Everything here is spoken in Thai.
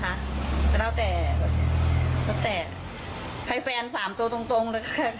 แต่แล้วแต่แล้วแต่ใครแฟนสามตัวตรงตรงเลย